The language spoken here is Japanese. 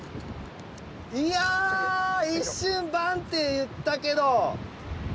いや一瞬バンっていったけど。